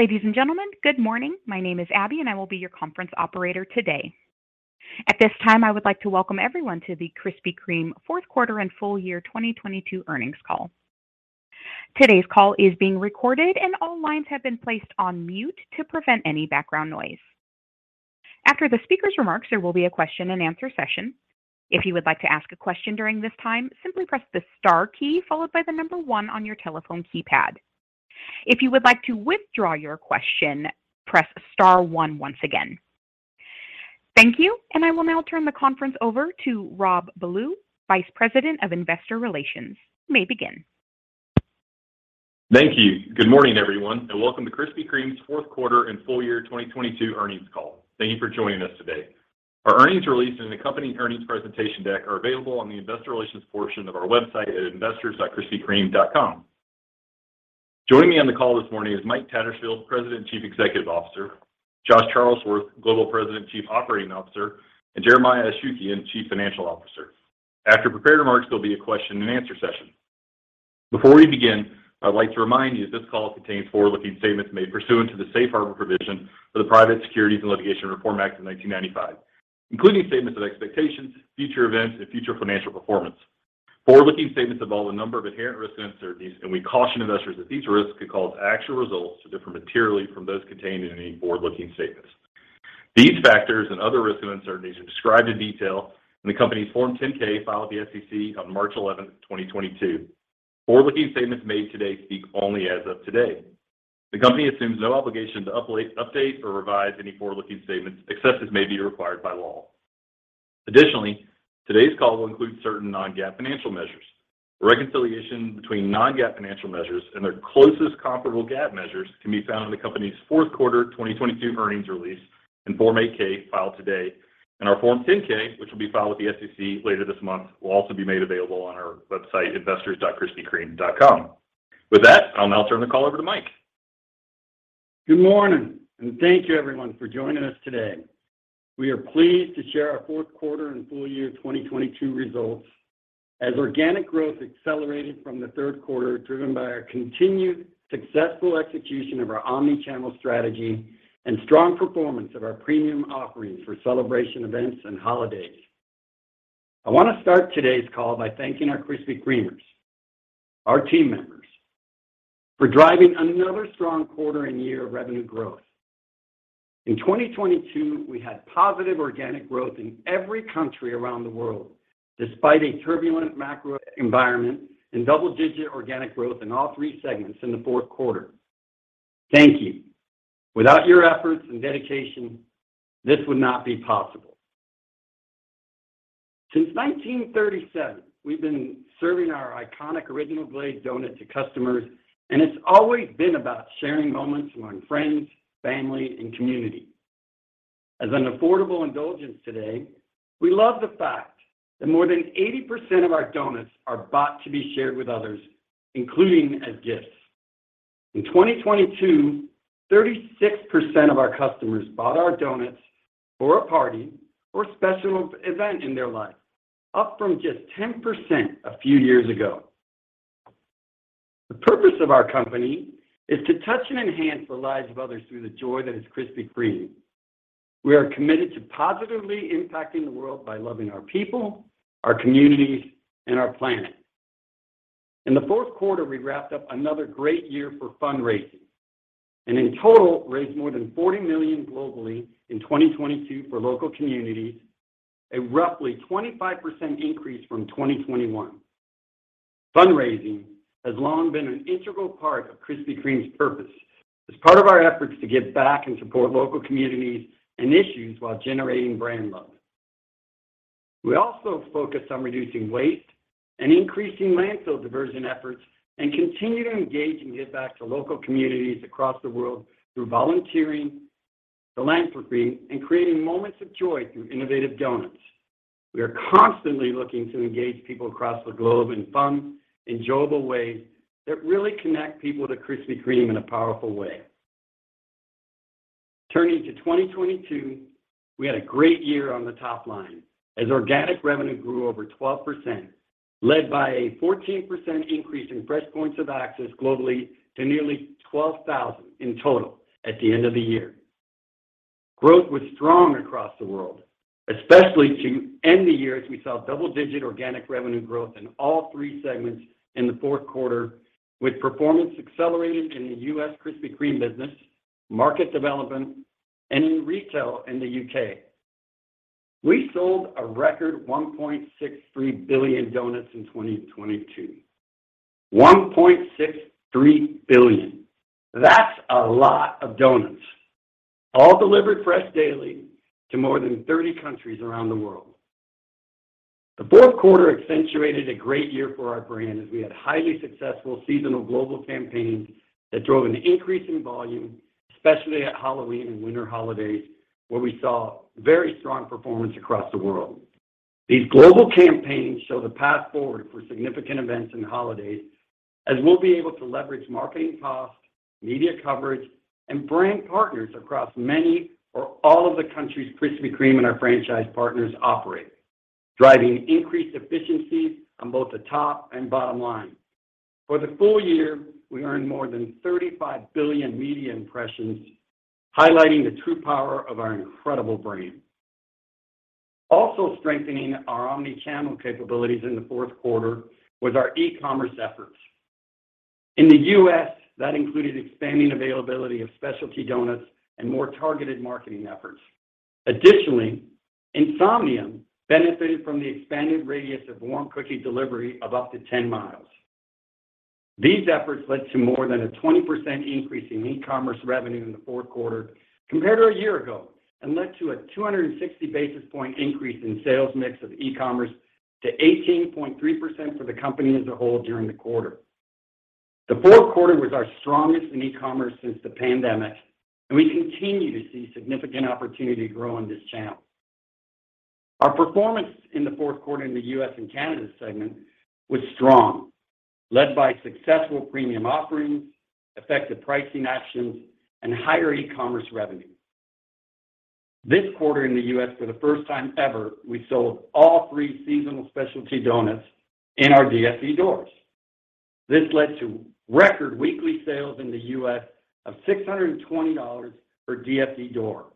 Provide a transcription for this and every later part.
Ladies and gentlemen, good morning. My name is Abby, and I will be your conference operator today. At this time, I would like to welcome everyone to the Krispy Kreme fourth quarter and full year 2022 earnings call. Today's call is being recorded and all lines have been placed on mute to prevent any background noise. After the speaker's remarks, there will be a question-and-answer session. If you would like to ask a question during this time, simply press the star key followed by number 1 on your telephone keypad. If you would like to withdraw your question, press star 1 once again. Thank you, and I will now turn the conference over to Rob Ballew, Vice President of Investor Relations. You may begin. Thank you. Good morning, everyone, and welcome to Krispy Kreme's fourth quarter and full year 2022 earnings call. Thank you for joining us today. Our earnings release and accompanying earnings presentation deck are available on the investor relations portion of our website at investors.krispykreme.com. Joining me on the call this morning is Mike Tattersfield, President and Chief Executive Officer, Josh Charlesworth, Global President and Chief Operating Officer, and Jeremiah Ashukian, Chief Financial Officer. After prepared remarks, there'll be a question-and-answer session. Before we begin, I'd like to remind you this call contains forward-looking statements made pursuant to the Safe Harbor provision for the Private Securities Litigation Reform Act of 1995, including statements of expectations, future events, and future financial performance. Forward-looking statements involve a number of inherent risks and uncertainties, we caution investors that these risks could cause actual results to differ materially from those contained in any forward-looking statements. These factors and other risks and uncertainties are described in detail in the company's Form 10-K filed with the SEC on March 11th, 2022. Forward-looking statements made today speak only as of today. The company assumes no obligation to update or revise any forward-looking statements, except as may be required by law. Additionally, today's call will include certain non-GAAP financial measures. Reconciliation between non-GAAP financial measures and their closest comparable GAAP measures can be found in the company's fourth quarter 2022 earnings release and Form 8-K filed today. Our Form 10-K, which will be filed with the SEC later this month, will also be made available on our website, investors.krispykreme.com. With that, I'll now turn the call over to Mike. Good morning, and thank you, everyone, for joining us today. We are pleased to share our fourth quarter and full year 2022 results as organic growth accelerated from the third quarter, driven by our continued successful execution of our omni-channel strategy and strong performance of our premium offerings for celebration events and holidays. I want to start today's call by thanking our Krispy Kremers, our team members, for driving another strong quarter and year of revenue growth. In 2022, we had positive organic growth in every country around the world, despite a turbulent macro environment and double-digit organic growth in all three segments in the fourth quarter. Thank you. Without your efforts and dedication, this would not be possible. Since 1937, we've been serving our iconic Original Glazed donut to customers, and it's always been about sharing moments among friends, family, and community. As an affordable indulgence today, we love the fact that more than 80% of our donuts are bought to be shared with others, including as gifts. In 2022, 36% of our customers bought our donuts for a party or special event in their life, up from just 10% a few years ago. The purpose of our company is to touch and enhance the lives of others through the joy that is Krispy Kreme. We are committed to positively impacting the world by loving our people, our communities, and our planet. In the fourth quarter, we wrapped up another great year for fundraising, and in total, raised more than $40 million globally in 2022 for local communities, a roughly 25% increase from 2021. Fundraising has long been an integral part of Krispy Kreme's purpose as part of our efforts to give back and support local communities and issues while generating brand love. We also focused on reducing waste and increasing landfill diversion efforts and continue to engage and give back to local communities across the world through volunteering, philanthropy, and creating moments of joy through innovative donuts. We are constantly looking to engage people across the globe in fun, enjoyable ways that really connect people to Krispy Kreme in a powerful way. Turning to 2022, we had a great year on the top line as organic revenue grew over 12%, led by a 14% increase in fresh points of access globally to nearly 12,000 in total at the end of the year. Growth was strong across the world, especially to end the year as we saw double-digit organic revenue growth in all three segments in the fourth quarter, with performance accelerating in the U.S. Krispy Kreme business, market development, and in retail in the U.K. We sold a record 1.63 billion doughnuts in 2022. 1.63 billion. That's a lot of doughnuts, all delivered fresh daily to more than 30 countries around the world. The fourth quarter accentuated a great year for our brand as we had highly successful seasonal global campaigns that drove an increase in volume, especially at Halloween and winter holidays, where we saw very strong performance across the world. These global campaigns show the path forward for significant events and holidays as we'll be able to leverage marketing costs, media coverage, and brand partners across many or all of the countries Krispy Kreme and our franchise partners operate. Driving increased efficiency on both the top and bottom line. For the full year, we earned more than 35 billion media impressions, highlighting the true power of our incredible brand. Also strengthening our omnichannel capabilities in the fourth quarter was our e-commerce efforts. In the US, that included expanding availability of specialty doughnuts and more targeted marketing efforts. Additionally, Insomnia benefited from the expanded radius of warm cookie delivery of up to 10 miles. These efforts led to more than a 20% increase in e-commerce revenue in the fourth quarter compared to a year ago, led to a 260 basis point increase in sales mix of e-commerce to 18.3% for the company as a whole during the quarter. The fourth quarter was our strongest in e-commerce since the pandemic. We continue to see significant opportunity to grow in this channel. Our performance in the U.S. and Canada segment was strong, led by successful premium offerings, effective pricing actions, and higher e-commerce revenue. This quarter in the U.S., for the first time ever, we sold all three seasonal specialty donuts in our DSD doors. This led to record weekly sales in the U.S. of $620 per DSD door,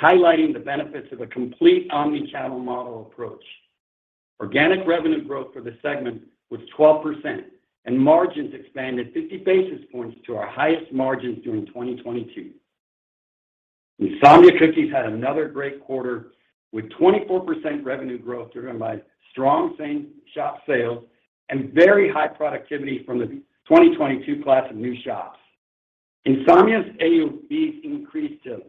highlighting the benefits of a complete omnichannel model approach. Organic revenue growth for the segment was 12%. Margins expanded 50 basis points to our highest margins during 2022. Insomnia Cookies had another great quarter with 24% revenue growth driven by strong same-shop sales and very high productivity from the 2022 class of new shops. Insomnia's AUV increased to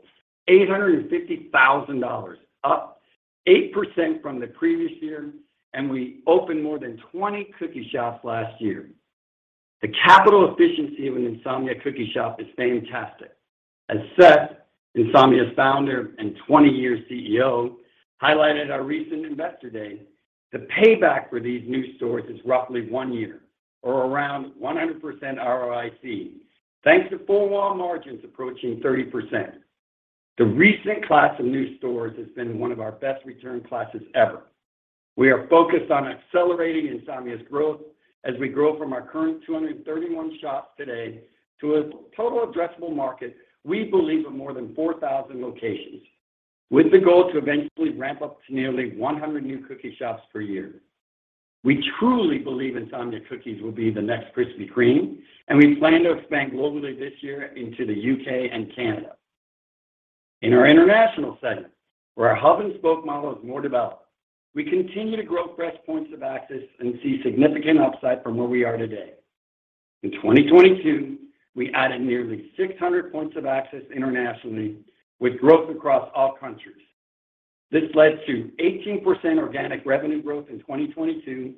$850,000, up 8% from the previous year. We opened more than 20 cookie shops last year. The capital efficiency of an Insomnia Cookie shop is fantastic. As Seth, Insomnia's founder and 20-year CEO, highlighted at our recent Investor Day, the payback for these new stores is roughly 1 year, or around 100% ROIC, thanks to full wall margins approaching 30%. The recent class of new stores has been one of our best return classes ever. We are focused on accelerating Insomnia's growth as we grow from our current 231 shops today to a total addressable market we believe are more than 4,000 locations, with the goal to eventually ramp up to nearly 100 new cookie shops per year. We truly believe Insomnia Cookies will be the next Krispy Kreme. We plan to expand globally this year into the U.K. and Canada. In our international segment, where our hub-and-spoke model is more developed, we continue to grow fresh points of access and see significant upside from where we are today. In 2022, we added nearly 600 points of access internationally with growth across all countries. This led to 18% organic revenue growth in 2022.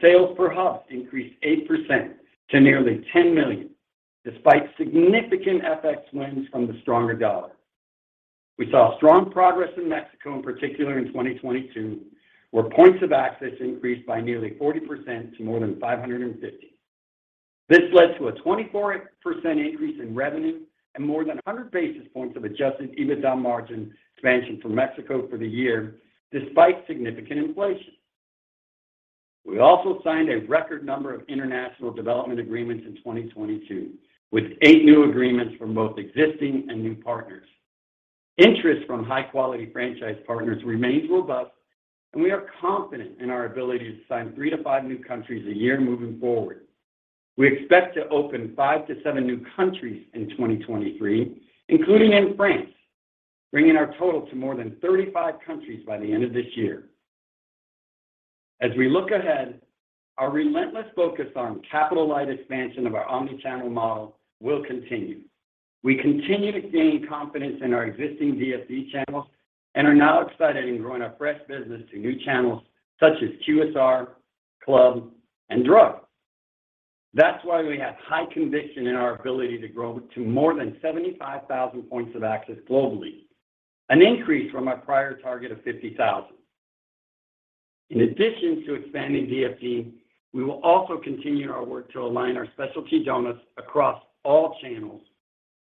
Sales per hub increased 8% to nearly $10 million, despite significant FX winds from the stronger US dollar. We saw strong progress in Mexico, in particular in 2022, where points of access increased by nearly 40% to more than 550. This led to a 24% increase in revenue and more than 100 basis points of adjusted EBITDA margin expansion from Mexico for the year despite significant inflation. We also signed a record number of international development agreements in 2022, with 8 new agreements from both existing and new partners. Interest from high-quality franchise partners remains robust, and we are confident in our ability to sign 3-5 new countries a year moving forward. We expect to open 5-7 new countries in 2023, including in France, bringing our total to more than 35 countries by the end of this year. As we look ahead, our relentless focus on capital-light expansion of our omnichannel model will continue. We continue to gain confidence in our existing DSD channels and are now excited in growing our fresh business to new channels such as QSR, club, and drug. That's why we have high conviction in our ability to grow to more than 75,000 points of access globally, an increase from our prior target of 50,000. In addition to expanding DSD, we will also continue our work to align our specialty donuts across all channels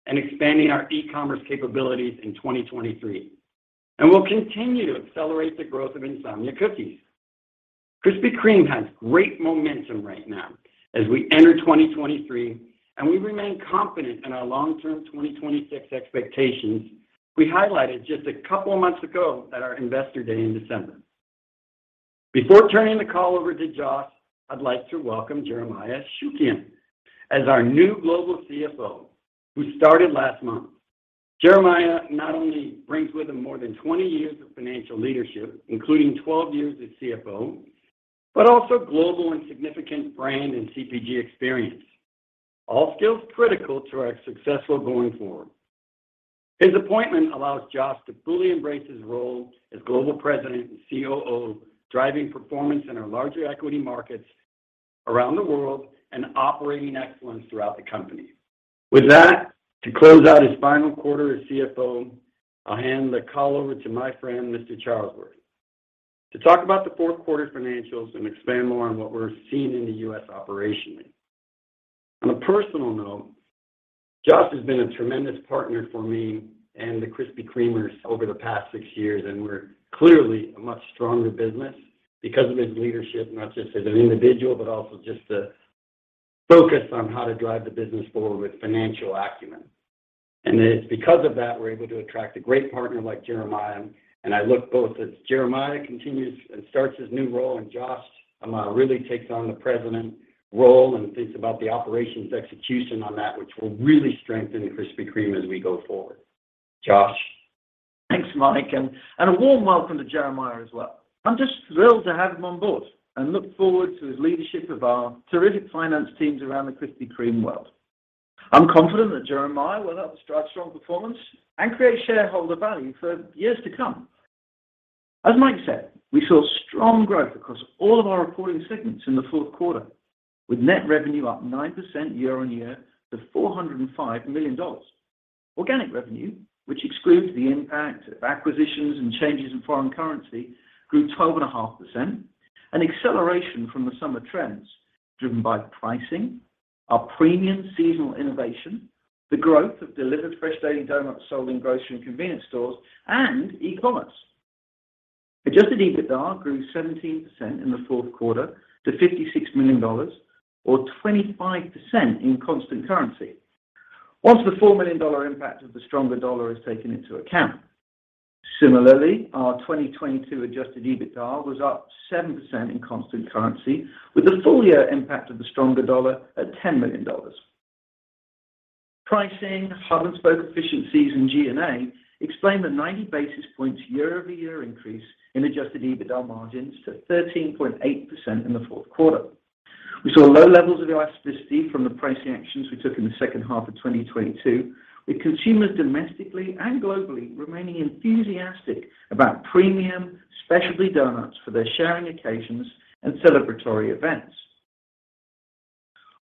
and expanding our e-commerce capabilities in 2023. We'll continue to accelerate the growth of Insomnia Cookies. Krispy Kreme has great momentum right now as we enter 2023, and we remain confident in our long-term 2026 expectations we highlighted just a couple of months ago at our Investor Day in December. Before turning the call over to Josh, I'd like to welcome Jeremiah Ashukian as our new Global CFO, who started last month. Jeremiah not only brings with him more than 20 years of financial leadership, including 12 years as CFO, but also global and significant brand and CPG experience, all skills critical to our successful going forward. His appointment allows Josh to fully embrace his role as Global President and COO, driving performance in our larger equity markets around the world and operating excellence throughout the company. With that, to close out his final quarter as CFO, I'll hand the call over to my friend, Mr. Charlesworth, to talk about the fourth quarter financials and expand more on what we're seeing in the U.S. operationally. ` On a personal note, Josh has been a tremendous partner for me and the Krispy Kremers over the past six years, we're clearly a much stronger business because of his leadership, not just as an individual, but also just the focus on how to drive the business forward with financial acumen. It's because of that, we're able to attract a great partner like Jeremiah. I look both as Jeremiah continues and starts his new role and Josh really takes on the president role and thinks about the operations execution on that, which will really strengthen Krispy Kreme as we go forward. Josh? Thanks, Mike, and a warm welcome to Jeremiah as well. I'm just thrilled to have him on board and look forward to his leadership of our terrific finance teams around the Krispy Kreme world. I'm confident that Jeremiah will help us drive strong performance and create shareholder value for years to come. As Mike said, we saw strong growth across all of our reporting segments in the fourth quarter, with net revenue up 9% year-over-year to $405 million. Organic revenue, which excludes the impact of acquisitions and changes in foreign currency, grew 12.5%, an acceleration from the summer trends driven by pricing, our premium seasonal innovation, the growth of delivered fresh daily doughnuts sold in grocery and convenience stores, and e-commerce. Adjusted EBITDA grew 17% in the fourth quarter to $56 million, or 25% in constant currency. Once the $4 million impact of the stronger dollar is taken into account. Similarly, our 2022 adjusted EBITDA was up 7% in constant currency, with the full year impact of the stronger dollar at $10 million. Pricing, hub-and-spoke efficiencies in G&A explain the 90 basis points year-over-year increase in adjusted EBITDA margins to 13.8% in the fourth quarter. We saw low levels of elasticity from the pricing actions we took in the second half of 2022, with consumers domestically and globally remaining enthusiastic about premium specialty doughnuts for their sharing occasions and celebratory events.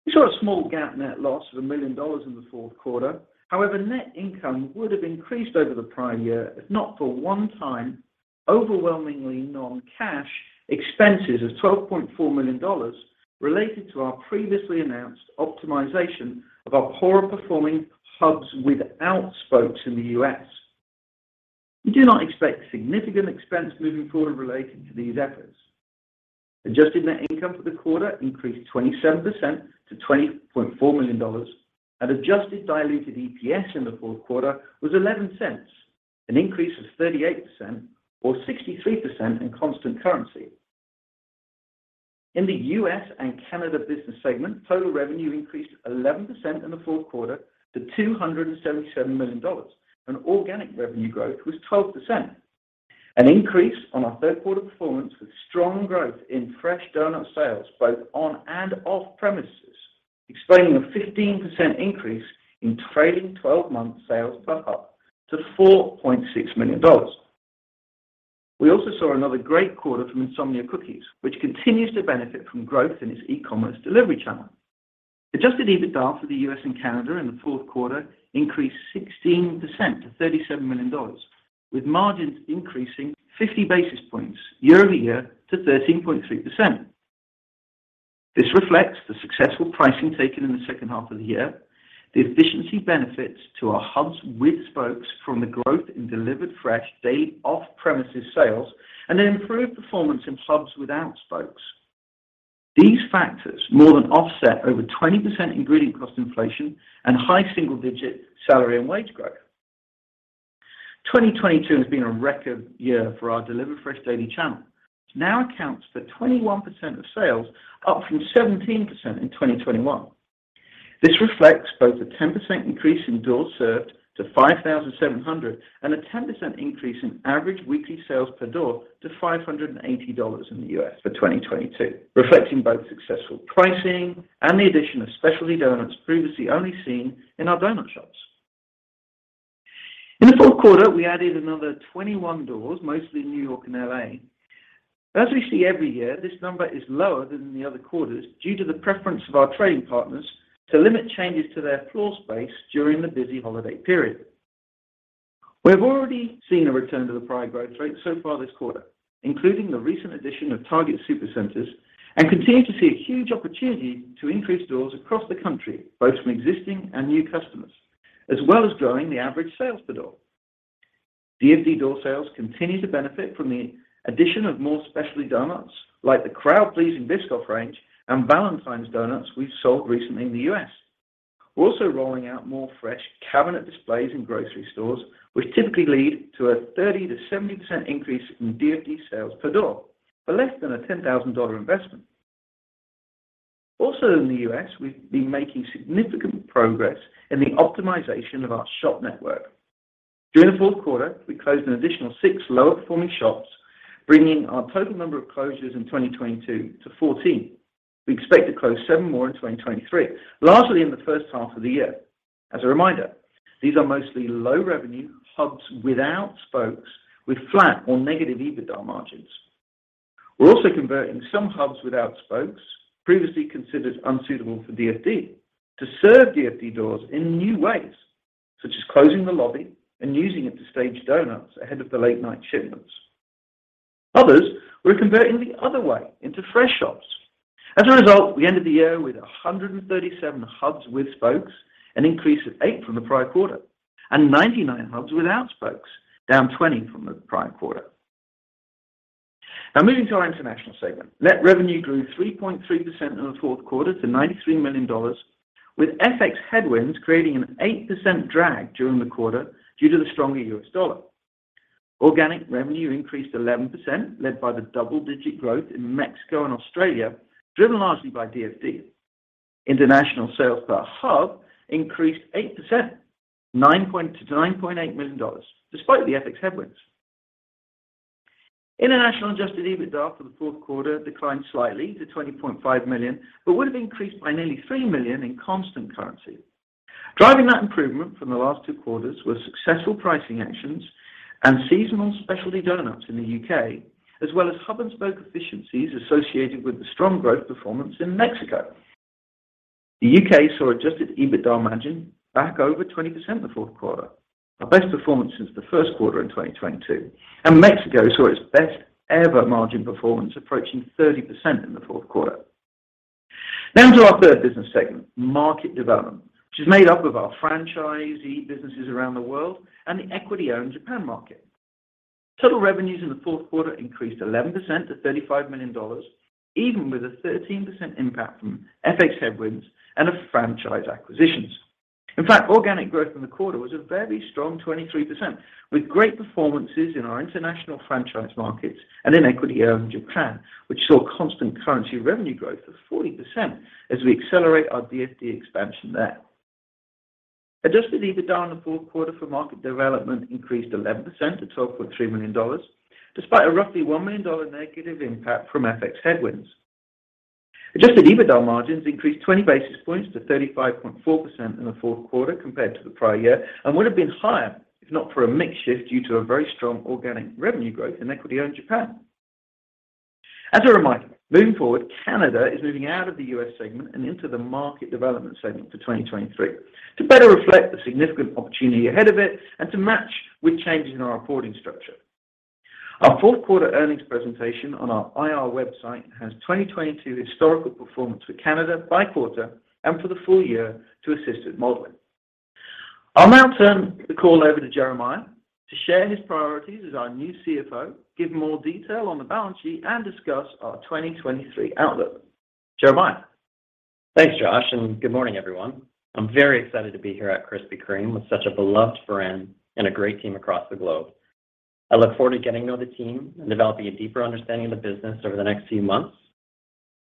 We saw a small GAAP net loss of $1 million in the fourth quarter. Net income would have increased over the prior year if not for one-time, overwhelmingly non-cash expenses of $12.4 million related to our previously announced optimization of our poorer performing hubs without spokes in the U.S. We do not expect significant expense moving forward related to these efforts. Adjusted net income for the quarter increased 27% to $20.4 million, and adjusted diluted EPS in the fourth quarter was $0.11, an increase of 38% or 63% in constant currency. In the U.S. and Canada business segment, total revenue increased 11% in the fourth quarter to $277 million, and organic revenue growth was 12%. An increase on our third quarter performance with strong growth in fresh doughnut sales, both on and off premises, explaining a 15% increase in trailing 12-month sales per hub to $4.6 million. We also saw another great quarter from Insomnia Cookies, which continues to benefit from growth in its e-commerce delivery channel. Adjusted EBITDA for the U.S. and Canada in the fourth quarter increased 16% to $37 million, with margins increasing 50 basis points year-over-year to 13.3%. This reflects the successful pricing taken in the second half of the year, the efficiency benefits to our hubs with spokes from the growth in delivered fresh day off-premises sales, and an improved performance in hubs without spokes. These factors more than offset over 20% ingredient cost inflation and high single-digit salary and wage growth. 2022 has been a record year for our Delivered Fresh Daily channel, which now accounts for 21% of sales, up from 17% in 2021. This reflects both a 10% increase in doors served to 5,700, and a 10% increase in average weekly sales per door to $580 in the U.S. for 2022, reflecting both successful pricing and the addition of specialty doughnuts previously only seen in our doughnut shops. In the fourth quarter, we added another 21 doors, mostly in New York and L.A. As we see every year, this number is lower than the other quarters due to the preference of our trading partners to limit changes to their floor space during the busy holiday period. We have already seen a return to the prior growth rate so far this quarter, including the recent addition of Target Supercenters. Continue to see a huge opportunity to increase doors across the country, both from existing and new customers, as well as growing the average sales per door. DFD door sales continue to benefit from the addition of more specialty doughnuts, like the crowd-pleasing Biscoff range and Valentine's doughnuts we've sold recently in the U.S. We're also rolling out more fresh cabinet displays in grocery stores, which typically lead to a 30%-70% increase in DFD sales per door for less than a $10,000 investment. Also in the U.S., we've been making significant progress in the optimization of our shop network. During the fourth quarter, we closed an additional six lower performing shops, bringing our total number of closures in 2022 to 14. We expect to close seven more in 2023, largely in the first half of the year. As a reminder, these are mostly low revenue hubs without spokes with flat or negative EBITDA margins. We're also converting some hubs without spokes previously considered unsuitable for DFD to serve DFD doors in new ways, such as closing the lobby and using it to stage donuts ahead of the late-night shipments. Others were converting the other way into fresh shops. As a result, we ended the year with 137 hubs with spokes, an increase of eight from the prior quarter, and 99 hubs without spokes, down 20 from the prior quarter. Moving to our international segment. Net revenue grew 3.3% in the fourth quarter to $93 million, with FX headwinds creating an 8% drag during the quarter due to the stronger US dollar. Organic revenue increased 11%, led by the double-digit growth in Mexico and Australia, driven largely by DFD. International sales per hub increased 8% to $9.8 million, despite the FX headwinds. International adjusted EBITDA for the fourth quarter declined slightly to $20.5 million, but would have increased by nearly $3 million in constant currency. Driving that improvement from the last two quarters were successful pricing actions and seasonal specialty donuts in the U.K., as well as hub-and-spoke efficiencies associated with the strong growth performance in Mexico. The U.K. saw adjusted EBITDA margin back over 20% in the fourth quarter, our best performance since the first quarter in 2022, and Mexico saw its best ever margin performance approaching 30% in the fourth quarter. On to our third business segment, market development, which is made up of our franchisee businesses around the world and the equity-owned Japan market. Total revenues in the fourth quarter increased 11% to $35 million, even with a 13% impact from FX headwinds and of franchise acquisitions. In fact, organic growth in the quarter was a very strong 23%, with great performances in our international franchise markets and in equity-owned Japan, which saw constant currency revenue growth of 40% as we accelerate our DFD expansion there. Adjusted EBITDA in the fourth quarter for market development increased 11% to $12.3 million, despite a roughly $1 million negative impact from FX headwinds. Adjusted EBITDA margins increased 20 basis points to 35.4% in the fourth quarter compared to the prior year and would have been higher if not for a mix shift due to a very strong organic revenue growth in equity-owned Japan. As a reminder, moving forward, Canada is moving out of the U.S. segment and into the market development segment for 2023 to better reflect the significant opportunity ahead of it and to match with changes in our reporting structure. Our fourth quarter earnings presentation on our IR website has 2022 historical performance for Canada by quarter and for the full year to assist with modeling. I'll now turn the call over to Jeremiah to share his priorities as our new CFO, give more detail on the balance sheet, and discuss our 2023 outlook. Jeremiah. Thanks, Josh. Good morning, everyone. I'm very excited to be here at Krispy Kreme with such a beloved brand and a great team across the globe. I look forward to getting to know the team and developing a deeper understanding of the business over the next few months.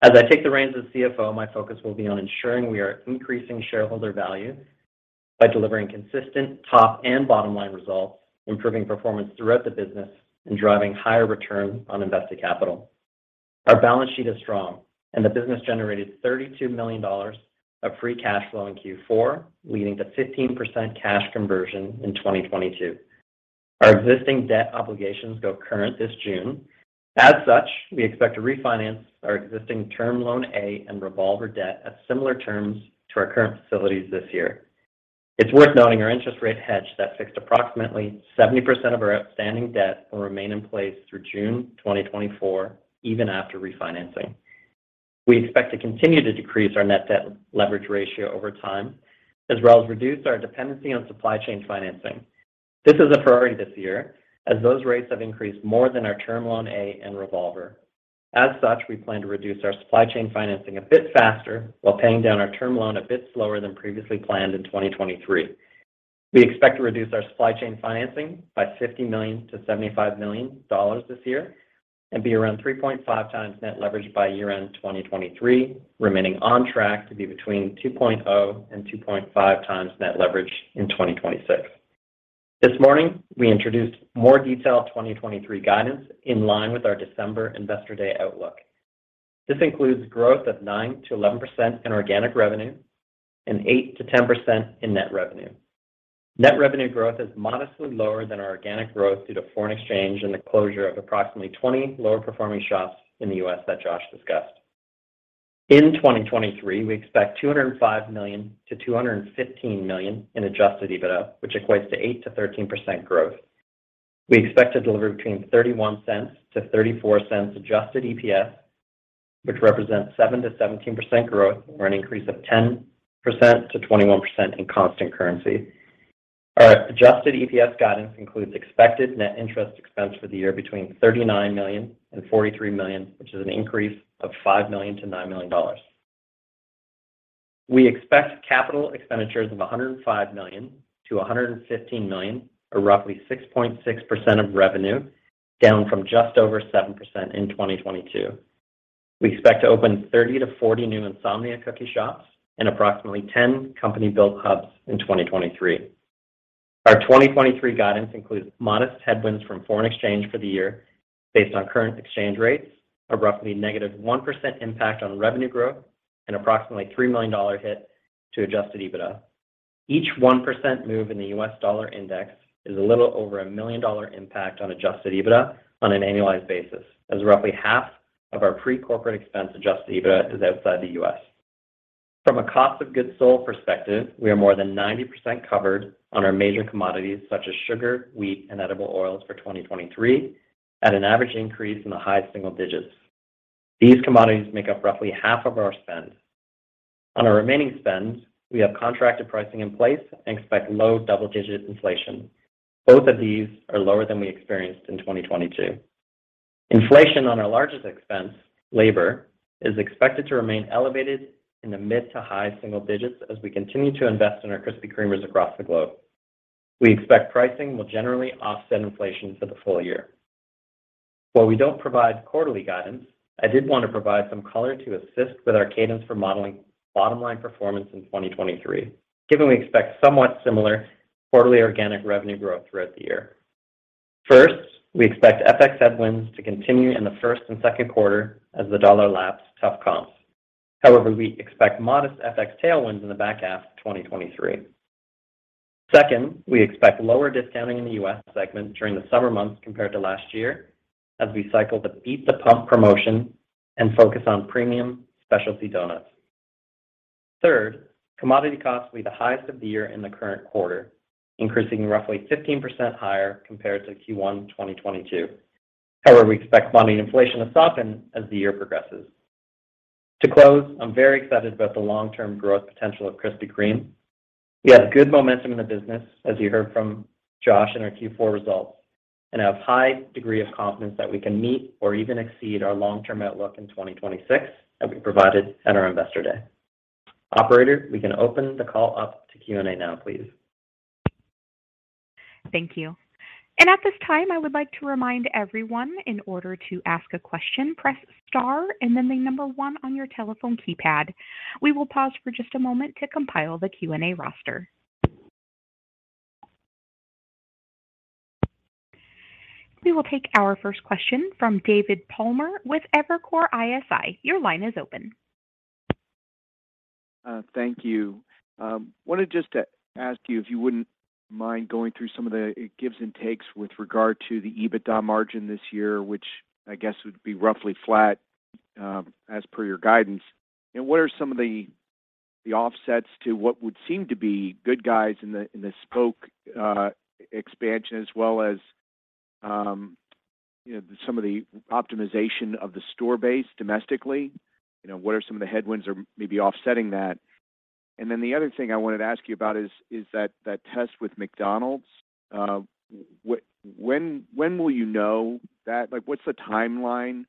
As I take the reins as CFO, my focus will be on ensuring we are increasing shareholder value by delivering consistent top and bottom line results, improving performance throughout the business, and driving higher return on invested capital. Our balance sheet is strong, and the business generated $32 million of free cash flow in Q4, leading to 15% cash conversion in 2022. Our existing debt obligations go current this June. As such, we expect to refinance our existing Term Loan A and revolver debt at similar terms to our current facilities this year. It's worth noting our interest rate hedge that fixed approximately 70% of our outstanding debt will remain in place through June 2024 even after refinancing. We expect to continue to decrease our net debt leverage ratio over time, as well as reduce our dependency on supply chain financing. This is a priority this year as those rates have increased more than our Term Loan A and revolver. As such, we plan to reduce our supply chain financing a bit faster while paying down our Term Loan a bit slower than previously planned in 2023. We expect to reduce our supply chain financing by $50 million-$75 million this year and be around 3.5x net leverage by year-end 2023, remaining on track to be between 2.0x and 2.5x net leverage in 2026. This morning, we introduced more detailed 2023 guidance in line with our December Investor Day outlook. This includes growth of 9%-11% in organic revenue and 8%-10% in net revenue. Net revenue growth is modestly lower than our organic growth due to foreign exchange and the closure of approximately 20 lower performing shops in the U.S. that Josh discussed. In 2023, we expect $205 million-$215 million in adjusted EBITDA, which equates to 8%-13% growth. We expect to deliver between $0.31-$0.34 adjusted EPS, which represents 7%-17% growth or an increase of 10%-21% in constant currency. Our adjusted EPS guidance includes expected net interest expense for the year between $39 million and $43 million, which is an increase of $5 million-$9 million. We expect capital expenditures of $105 million-$115 million, or roughly 6.6% of revenue, down from just over 7% in 2022. We expect to open 30-40 new Insomnia Cookies shops and approximately 10 company-built hubs in 2023. Our 2023 guidance includes modest headwinds from foreign exchange for the year based on current exchange rates of roughly negative 1% impact on revenue growth and approximately $3 million hit to adjusted EBITDA. Each 1% move in the US dollar index is a little over a million dollar impact on adjusted EBITDA on an annualized basis, as roughly half of our pre-corporate expense adjusted EBITDA is outside the US. From a cost of goods sold perspective, we are more than 90% covered on our major commodities such as sugar, wheat, and edible oils for 2023 at an average increase in the high single digits. These commodities make up roughly half of our spend. On our remaining spend, we have contracted pricing in place and expect low double-digit inflation. Both of these are lower than we experienced in 2022. Inflation on our largest expense, labor, is expected to remain elevated in the mid to high single digits as we continue to invest in our Krispy Kremers across the globe. We expect pricing will generally offset inflation for the full year. While we don't provide quarterly guidance, I did want to provide some color to assist with our cadence for modeling bottom line performance in 2023, given we expect somewhat similar quarterly organic revenue growth throughout the year. First, we expect FX headwinds to continue in the first and second quarter as the dollar laps tough comps. We expect modest FX tailwinds in the back half of 2023. Second, we expect lower discounting in the U.S. segment during the summer months compared to last year as we cycle the Beat the Pump promotion and focus on premium specialty donuts. Third, commodity costs will be the highest of the year in the current quarter, increasing roughly 15% higher compared to Q1 2022. We expect commodity inflation to soften as the year progresses. To close, I'm very excited about the long-term growth potential of Krispy Kreme. We have good momentum in the business, as you heard from Josh in our Q4 results, and have high degree of confidence that we can meet or even exceed our long-term outlook in 2026 that we provided at our Investor Day. Operator, we can open the call up to Q&A now, please. Thank you. At this time, I would like to remind everyone in order to ask a question, press star and then the number 1 on your telephone keypad. We will pause for just a moment to compile the Q&A roster. We will take our first question from David Palmer with Evercore ISI. Your line is open. Thank you. Wanted just to ask you if you wouldn't mind going through some of the gives and takes with regard to the EBITDA margin this year, which I guess would be roughly flat, as per your guidance. What are some of the offsets to what would seem to be good guys in the spoke expansion as well as, you know, some of the optimization of the store base domestically. You know, what are some of the headwinds or maybe offsetting that? The other thing I wanted to ask you about is that test with McDonald's, when will you know that? Like, what's the timeline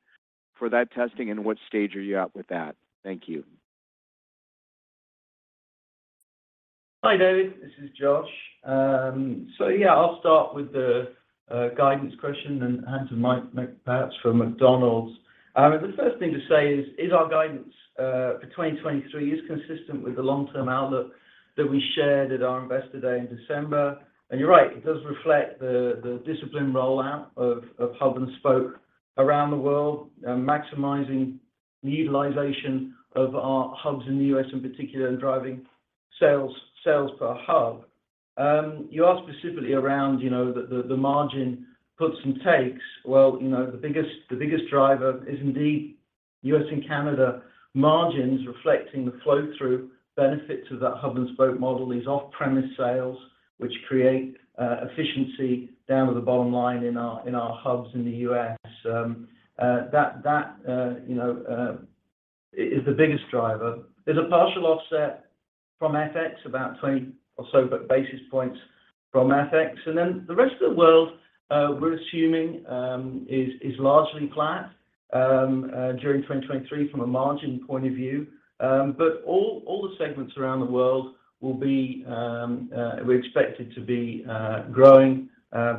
for that testing and what stage are you at with that? Thank you. Hi, David. This is Josh. Yeah, I'll start with the guidance question and hand to Mike perhaps for McDonald's. The first thing to say is our guidance for 2023 is consistent with the long-term outlook that we shared at our Investor Day in December. You're right, it does reflect the discipline rollout of hub-and-spoke around the world, maximizing the utilization of our hubs in the US in particular, and driving sales per hub. You asked specifically around, you know, the margin puts and takes. You know, the biggest driver is indeed US and Canada margins reflecting the flow-through benefit to that hub-and-spoke model, these off-premise sales, which create efficiency down to the bottom line in our hubs in the US. That, you know, is the biggest driver. There's a partial offset from FX, about 20 or so basis points from FX. The rest of the world, we're assuming, is largely flat during 2023 from a margin point of view. All the segments around the world will be, we expect it to be growing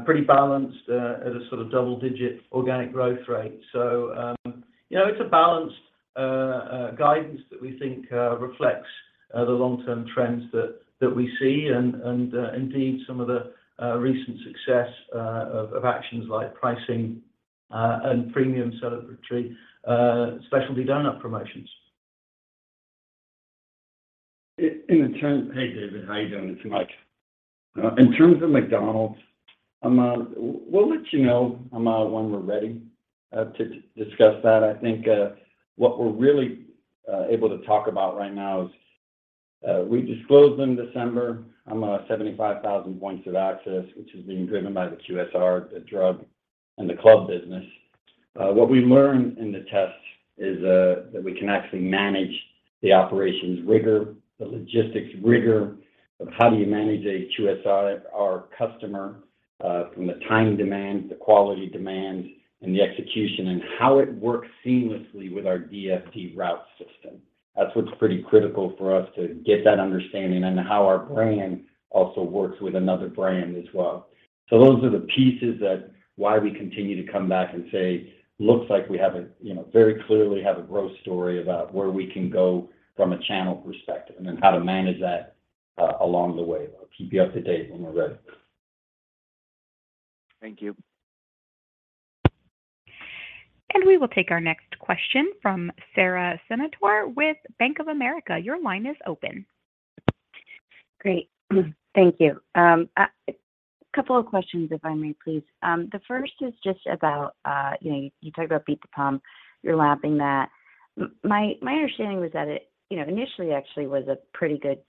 pretty balanced at a sort of double-digit organic growth rate. You know, it's a balanced guidance that we think reflects the long-term trends that we see and indeed some of the recent success of actions like pricing and premium celebratory specialty doughnut promotions. Hey, David, how are you doing? It's Mike. In terms of McDonald's, we'll let you know when we're ready to discuss that. I think what we're really able to talk about right now is we disclosed in December 75,000 points of access, which is being driven by the QSR, the drug, and the club business. What we learned in the test is that we can actually manage the operations rigor, the logistics rigor of how do you manage a QSR customer from the time demands, the quality demands, and the execution, and how it works seamlessly with our DSD route system. That's what's pretty critical for us to get that understanding and how our brand also works with another brand as well. Those are the pieces that why we continue to come back and say, "Looks like we have a, you know, very clearly have a growth story about where we can go from a channel perspective, and then how to manage that along the way." We'll keep you up to date when we're ready. Thank you. We will take our next question from Sara Senatore with Bank of America. Your line is open. Great. Thank you. A couple of questions, if I may, please. The first is just about, you know, you talk about Beat the Pump, you're lapping that. My understanding was that it, you know, initially actually was a pretty good,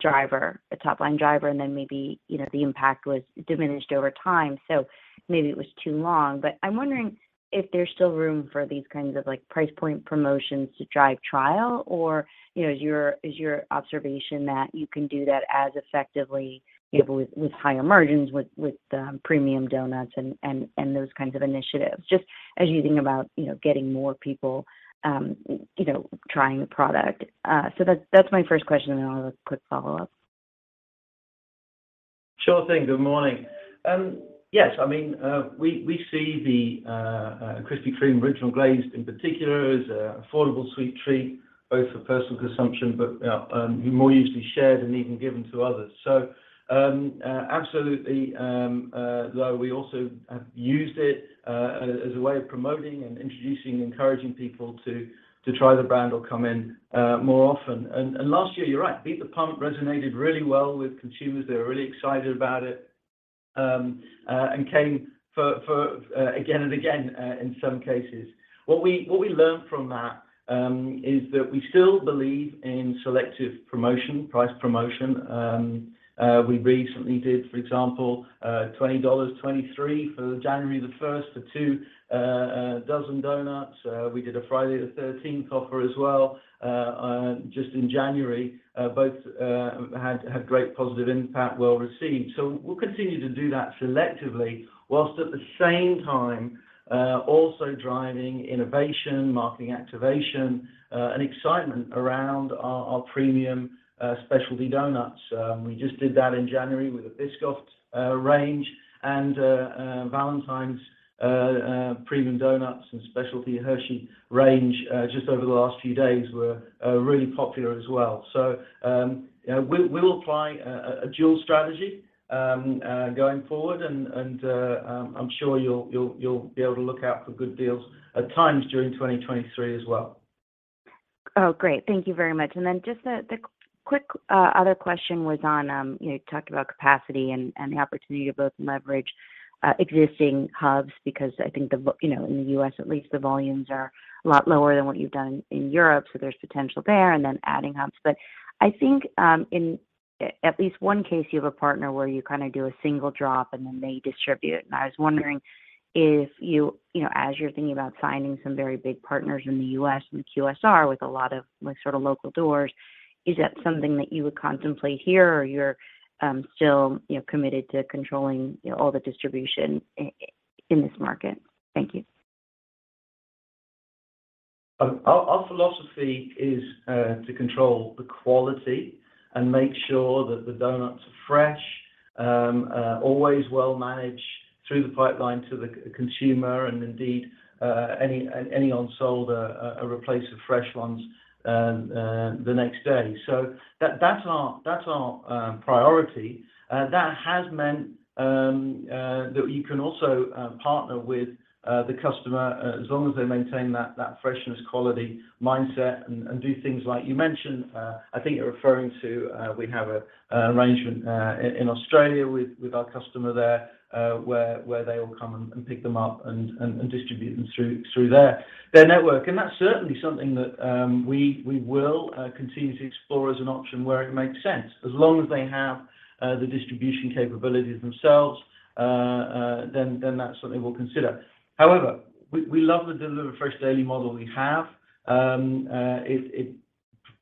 driver, a top-line driver, and then maybe, you know, the impact was diminished over time, so maybe it was too long. I'm wondering if there's still room for these kinds of, like, price point promotions to drive trial, or, you know, is your observation that you can do that as effectively, you know, with higher margins, with premium doughnuts and those kinds of initiatives, just as you think about, you know, getting more people, you know, trying the product. That's my first question, and then I'll have a quick follow-up. Sure thing. Good morning. Yes, I mean, we see the Krispy Kreme Original Glazed in particular as an affordable sweet treat, both for personal consumption, but more usually shared and even given to others. Absolutely, though we also have used it as a way of promoting and introducing, encouraging people to try the brand or come in more often. Last year, you're right, Beat the Pump resonated really well with consumers. They were really excited about it and came for again and again in some cases. What we learned from that is that we still believe in selective promotion, price promotion. We recently did, for example, $20.23 for January 1st for 2 dozen doughnuts. We did a Friday the thirteenth offer as well, just in January. Both had great positive impact, well received. We'll continue to do that selectively, whilst at the same time, also driving innovation, marketing activation, and excitement around our premium specialty donuts. We just did that in January with a Biscoff range and Valentine's premium donuts and specialty Hershey's range, just over the last few days were really popular as well. You know, we will apply a dual strategy going forward and I'm sure you'll be able to look out for good deals at times during 2023 as well. Great. Thank you very much. Just the quick, other question was on, you know, you talked about capacity and the opportunity to both leverage, existing hubs, because I think the, you know, in the U.S. at least, the volumes are a lot lower than what you've done in Europe, so there's potential there, and then adding hubs. I think, in at least one case, you have a partner where you kinda do a single drop, and then they distribute. I was wondering if you know, as you're thinking about signing some very big partners in the U.S. and QSR with a lot of, like, sort of local doors, is that something that you would contemplate here, or you're, still, you know, committed to controlling, you know, all the distribution in this market? Thank you. Our philosophy is to control the quality and make sure that the doughnuts are fresh, always well managed through the pipeline to the consumer and indeed, any unsold are replaced with fresh ones the next day. That's our priority. That has meant that we can also partner with the customer as long as they maintain that freshness quality mindset and do things like you mentioned. I think you're referring to, we have an arrangement in Australia with our customer there, where they will come and pick them up and distribute them through their network. That's certainly something that we will continue to explore as an option where it makes sense. As long as they have the distribution capabilities themselves, that's something we'll consider. However, we love the deliver fresh daily model we have. It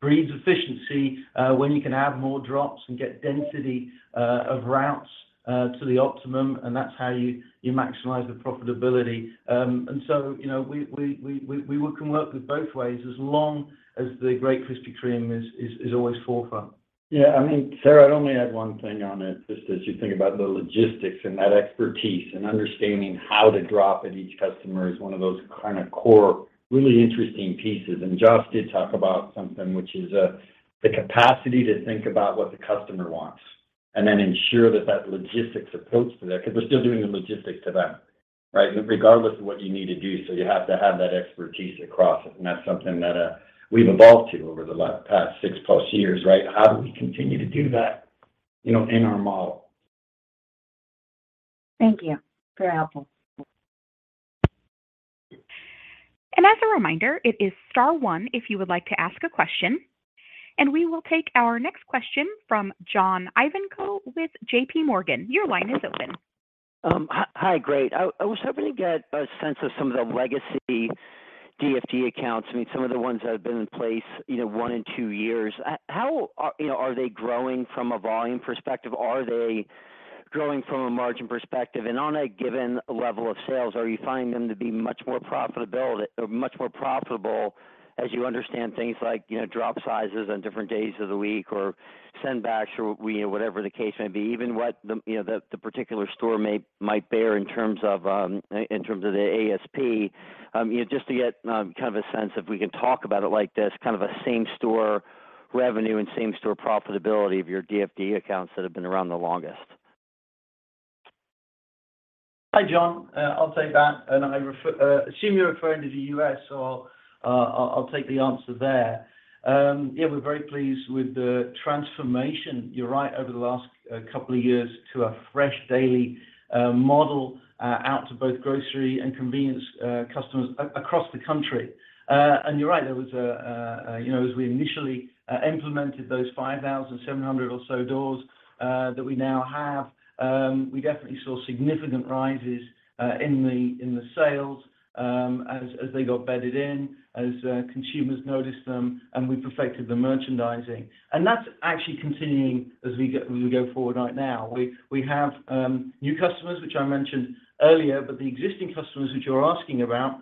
breeds efficiency when you can have more drops and get density of routes to the optimum, and that's how you maximize the profitability. You know, we can work with both ways as long as the great Krispy Kreme is always forefront. Yeah. I mean, Sara, I'd only add one thing on it, just as you think about the logistics and that expertise and understanding how to drop at each customer is one of those kind of core, really interesting pieces. Josh did talk about something which is the capacity to think about what the customer wants and then ensure that that logistics approach to that, because we're still doing the logistics to them, right? Regardless of what you need to do, so you have to have that expertise across it, and that's something that we've evolved to over the last past six-plus years, right? How do we continue to do that, you know, in our model? Thank you. Very helpful. As a reminder, it is star one if you would like to ask a question, and we will take our next question from John Ivankoe with JPMorgan. Your line is open. Hi. Great. I was hoping to get a sense of some of the legacy DFD accounts. I mean, some of the ones that have been in place, you know, 1 and 2 years. How are, you know, are they growing from a volume perspective? Are they growing from a margin perspective? And on a given level of sales, are you finding them to be much more profitable as you understand things like, you know, drop sizes on different days of the week or send backs or whatever the case may be. Even what the, you know, the particular store might bear in terms of, in terms of the ASP. You know, just to get, kind of a sense, if we can talk about it like this, kind of a same store revenue and same store profitability of your DFD accounts that have been around the longest. Hi, John. I'll take that. Assume you're referring to the U.S., so I'll take the answer there. Yeah, we're very pleased with the transformation, you're right, over the last couple of years to a fresh daily model out to both grocery and convenience customers across the country. You're right, there was, you know, as we initially implemented those 5,700 or so doors that we now have, we definitely saw significant rises in the sales as they got bedded in, as consumers noticed them, and we perfected the merchandising. That's actually continuing as we go forward right now. We have new customers, which I mentioned earlier, but the existing customers which you're asking about,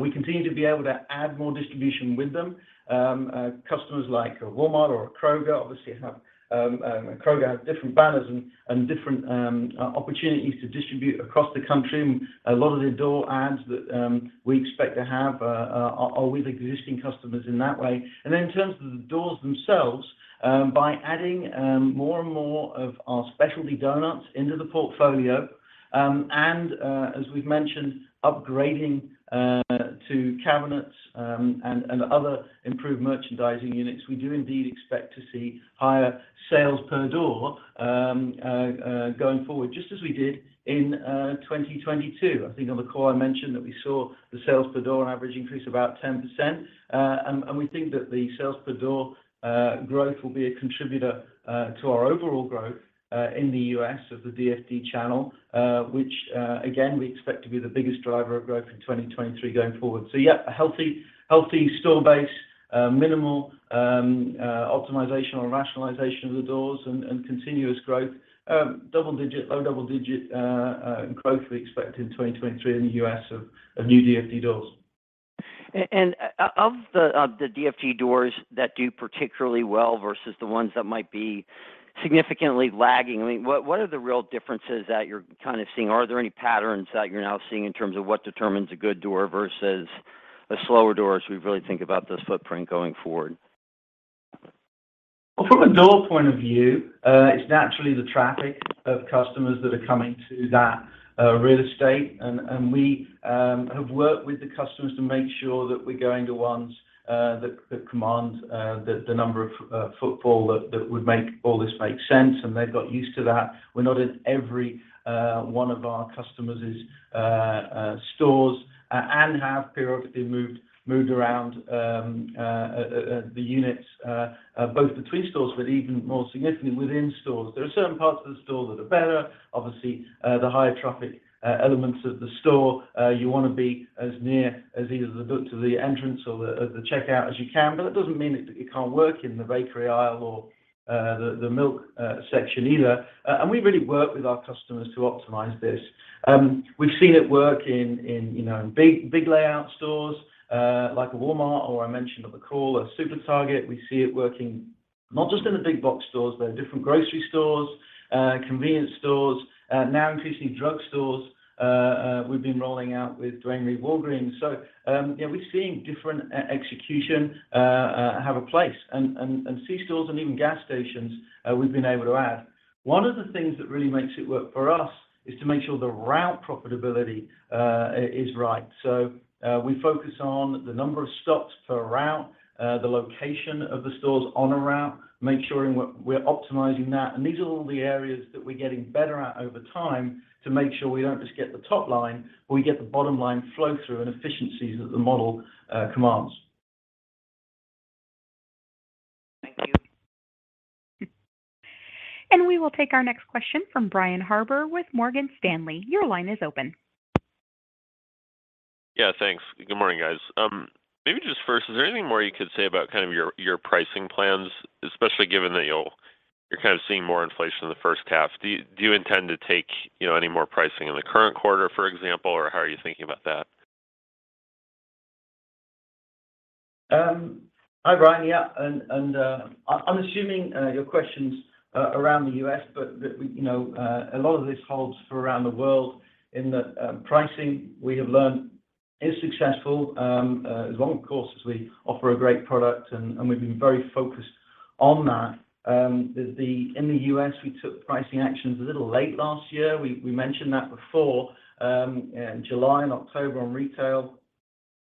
we continue to be able to add more distribution with them. Customers like a Walmart or a Kroger obviously have Kroger has different banners and different opportunities to distribute across the country. A lot of the door adds that we expect to have are with existing customers in that way. Then in terms of the doors themselves, by adding more and more of our specialty donuts into the portfolio, and as we've mentioned, upgrading to cabinets, and other improved merchandising units, we do indeed expect to see higher sales per door going forward, just as we did in 2022. I think on the call I mentioned that we saw the sales per door on average increase about 10%, and we think that the sales per door growth will be a contributor to our overall growth in the U.S. of the DFD channel, which again, we expect to be the biggest driver of growth in 2023 going forward. Yeah, a healthy store base, minimal optimization or rationalization of the doors and continuous growth. Double digit, low double digit growth we expect in 2023 in the U.S. of new DFD doors. Of the DFD doors that do particularly well versus the ones that might be significantly lagging, I mean, what are the real differences that you're kind of seeing? Are there any patterns that you're now seeing in terms of what determines a good door versus a slower door as we really think about this footprint going forward? From a door point of view, it's naturally the traffic of customers that are coming to that real estate and we have worked with the customers to make sure that we're going to ones that command the number of footfall that would make all this make sense, and they've got used to that. We're not in every one of our customers' stores and have periodically moved around the units both between stores, but even more significantly within stores. There are certain parts of the store that are better. Obviously, the higher traffic elements of the store, you wanna be as near as either to the entrance or the checkout as you can, but that doesn't mean it can't work in the bakery aisle or the milk section either. And we really work with our customers to optimize this. We've seen it work in, you know, in big layout stores, like a Walmart, or I mentioned on the call, a SuperTarget. We see it working not just in the big box stores, but in different grocery stores, convenience stores, now increasingly drug stores, we've been rolling out with Duane Reade/Walgreens. Yeah, we've seen different execution have a place and C stores and even gas stations, we've been able to add. One of the things that really makes it work for us is to make sure the route profitability is right. We focus on the number of stops per route, the location of the stores on a route, make sure we're optimizing that. These are all the areas that we're getting better at over time to make sure we don't just get the top line, but we get the bottom line flow through and efficiencies that the model commands. Thank you. We will take our next question from Brian Harbour with Morgan Stanley. Your line is open. Yeah, thanks. Good morning, guys. Maybe just first, is there anything more you could say about kind of your pricing plans, especially given that you're kind of seeing more inflation in the first half? Do you intend to take, you know, any more pricing in the current quarter, for example, or how are you thinking about that? Hi, Brian. Yeah. I'm assuming your question's around the U.S., but the, you know, a lot of this holds for around the world in that pricing we have learned is successful as long, of course, as we offer a great product and we've been very focused on that. In the U.S., we took pricing actions a little late last year. We mentioned that before, in July and October on retail,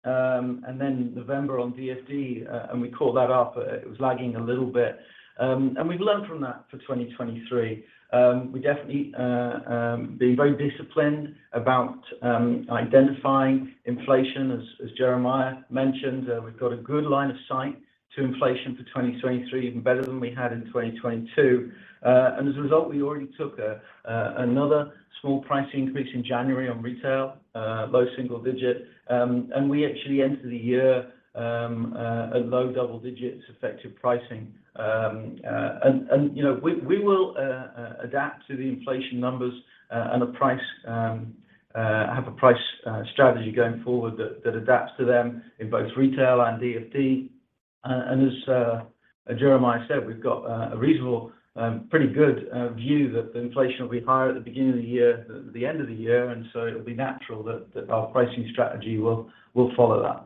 and then November on DFD, and we caught that up. It was lagging a little bit. We've learned from that for 2023. We definitely being very disciplined about identifying inflation as Jeremiah mentioned. We've got a good line of sight to inflation for 2023, even better than we had in 2022. As a result, we already took another small pricing increase in January on retail, low single-digit. We actually enter the year at low double-digits effective pricing. You know, we will adapt to the inflation numbers and a price have a price strategy going forward that adapts to them in both retail and DFD. As Jeremiah said, we've got a reasonable pretty good view that the inflation will be higher at the beginning of the year than at the end of the year. It'll be natural that our pricing strategy will follow that.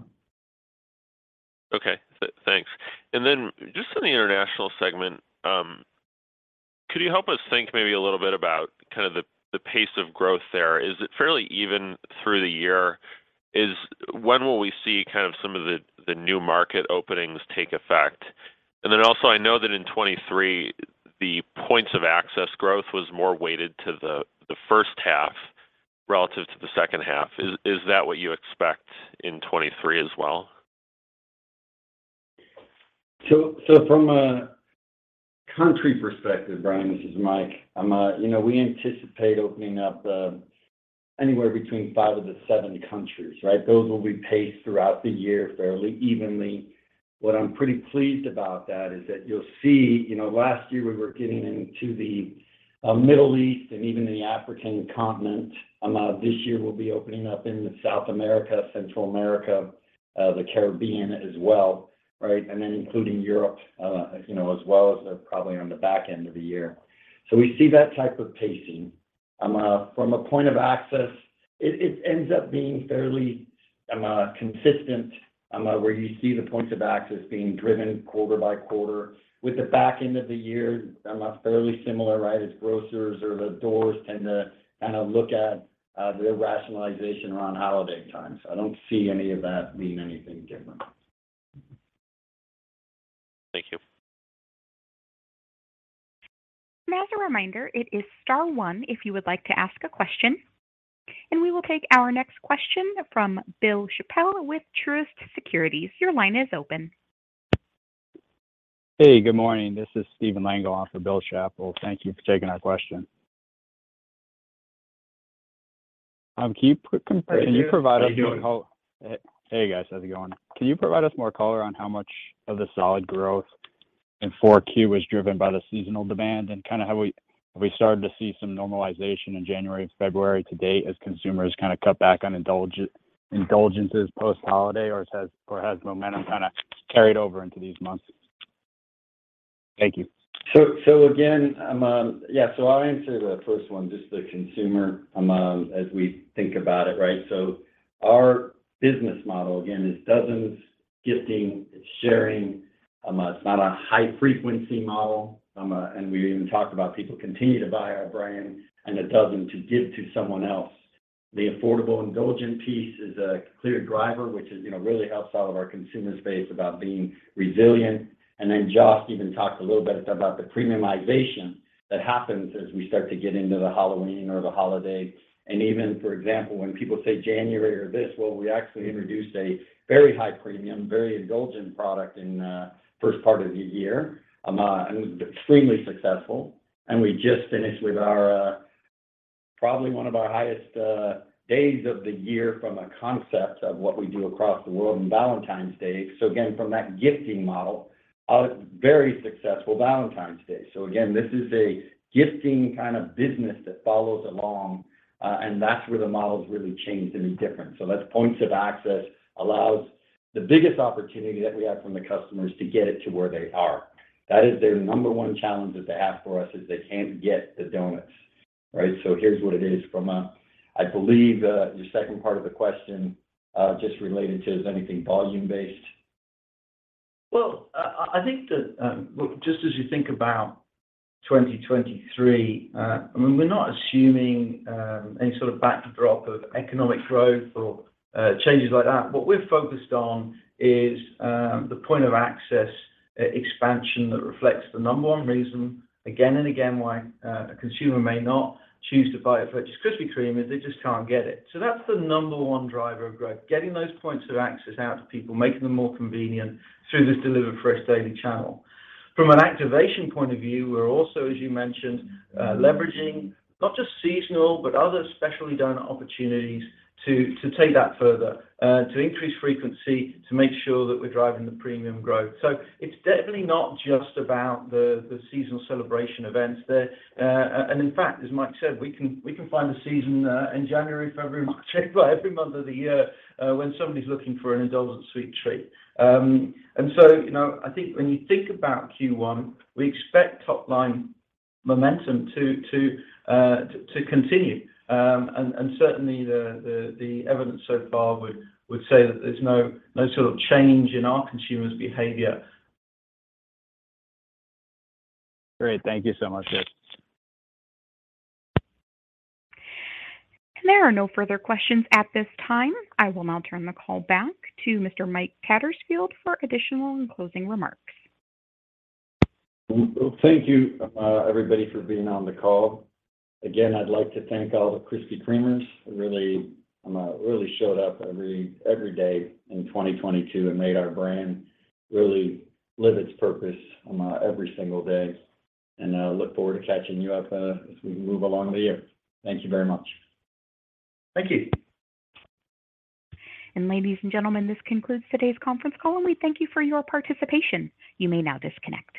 Okay, thanks. Just on the international segment, could you help us think maybe a little bit about kind of the pace of growth there? Is it fairly even through the year? When will we see kind of some of the new market openings take effect? Also I know that in 2023, the points of access growth was more weighted to the first half relative to the second half. Is that what you expect in 2023 as well? From a country perspective, Brian, this is Mike, you know, we anticipate opening up anywhere between 5 to the 7 countries. Those will be paced throughout the year fairly evenly. What I'm pretty pleased about that is that you'll see, you know, last year we were getting into the Middle East and even the African continent. This year we'll be opening up in the South America, Central America, the Caribbean as well. Including Europe, you know, as well as probably on the back end of the year. We see that type of pacing. From a point of access, it ends up being fairly consistent, where you see the points of access being driven quarter by quarter with the back end of the year, fairly similar, right, as grocers or the doors tend to kind of look at their rationalization around holiday time. I don't see any of that being anything different. Thank you. As a reminder, it is star one if you would like to ask a question. We will take our next question from Bill Chappell with Truist Securities. Your line is open. Hey, good morning. This is Stephen Lengele on for Bill Chappell. Thank you for taking our question. Can you provide us how- Thank you. How you doing? Hey guys. How's it going? Can you provide us more color on how much of the solid growth in 4Q was driven by the seasonal demand and kinda have we started to see some normalization in January and February to date as consumers kinda cut back on indulgences post-holiday, or has momentum kinda carried over into these months? Thank you. Again, I'll answer the first one, just the consumer, as we think about it, right? Our business model, again, is dozens, gifting, it's sharing. It's not a high frequency model. We even talked about people continue to buy our brand and a dozen to give to someone else. The affordable indulgent piece is a clear driver, which is, you know, really helps all of our consumer space about being resilient. Joss even talked a little bit about the premiumization that happens as we start to get into the Halloween or the holiday. Even for example, when people say January or this, well, we actually introduced a very high premium, very indulgent product in first part of the year. It was extremely successful. We just finished with our probably one of our highest days of the year from a concept of what we do across the world in Valentine's Day. Again, from that gifting model, a very successful Valentine's Day. Again, this is a gifting kind of business that follows along, and that's where the model's really changed and is different. That's points of access allows the biggest opportunity that we have from the customers to get it to where they are. That is their number one challenge that they have for us, is they can't get the donuts, right? Here's what it is. I believe your second part of the question just related to is anything volume-based. Well, I think that, look, just as you think about 2023, I mean, we're not assuming any sort of backdrop of economic growth or changes like that. What we're focused on is the point of access expansion that reflects the number 1 reason again and again, why a consumer may not choose to buy or purchase Krispy Kreme is they just can't get it. That's the number 1 driver of growth, getting those points of access out to people, making them more convenient through this deliver fresh daily channel. From an activation point of view, we're also, as you mentioned, leveraging not just seasonal, but other specialty donut opportunities to take that further, to increase frequency, to make sure that we're driving the premium growth. It's definitely not just about the seasonal celebration events there. And in fact, as Mike said, we can find a season in January, February, March, April, every month of the year, when somebody's looking for an indulgent sweet treat. I think when you think about Q1, we expect top line momentum to continue. And certainly the evidence so far would say that there's no sort of change in our consumers' behavior. Great. Thank you so much. Yeah. There are no further questions at this time. I will now turn the call back to Mr. Mike Tattersfield for additional and closing remarks. Well, thank you, everybody for being on the call. Again, I'd like to thank all the Krispy Kreme-ers who really showed up every day in 2022 and made our brand really live its purpose, every single day. Look forward to catching you up as we move along the year. Thank you very much. Thank you. Ladies and gentlemen, this concludes today's conference call, and we thank you for your participation. You may now disconnect.